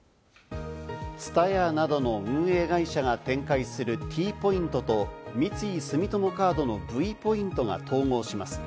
ＴＳＵＴＡＹＡなどの運営会社が展開するＴポイントと、三井住友カードのＶポイントが統合します。